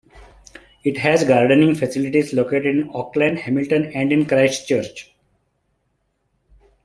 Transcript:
It has gardening facilities located in Auckland, Hamilton and in Christchurch.